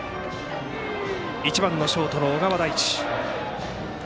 １番、ショートの小川大地。